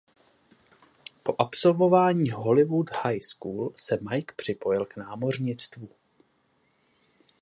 Po absolvování Hollywood High School se Mike připojil k námořnictvu.